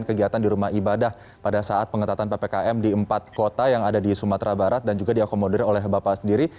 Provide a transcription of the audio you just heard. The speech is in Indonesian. kegiatan di rumah ibadah pada saat pengetatan ppkm di empat kota yang ada di sumatera barat dan juga diakomodir oleh bapak sendiri